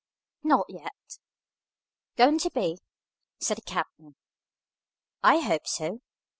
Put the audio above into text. "Not yet." "Going to be?" said the captain. "I hope so."